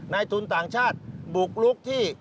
นายทุนต่างชาติบุกลุกที่